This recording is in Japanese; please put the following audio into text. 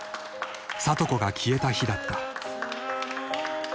［里子が消えた日だった］